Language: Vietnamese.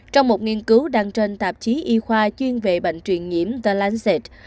trong một nghiên cứu đăng trên tạp chí y khoa chuyên về bệnh truyền nhiễm the lancet